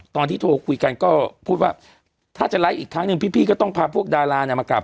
ตอนที่โทรคุยกันก็พูดว่าถ้าจะไลฟ์อีกครั้งหนึ่งพี่ก็ต้องพาพวกดารามากลับ